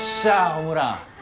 ホームラン！